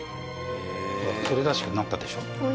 ほらそれらしくなったでしょ？